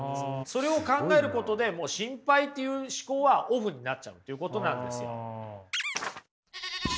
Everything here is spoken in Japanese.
それを考えることで心配っていう思考はオフになっちゃうということなんですよ。